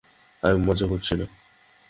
আমি মজা করছি না।